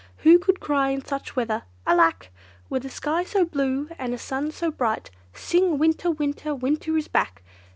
Who could cry in such weather, 'alack!' With a sky so blue, and a sun so bright, Sing 'winter, winter, winter is back!